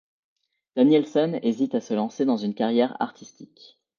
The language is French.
Danielson hésite à se lancer dans une carrière artistique.